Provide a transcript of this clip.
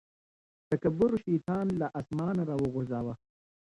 تکبر شيطان له اسمانه راوغورځاوه.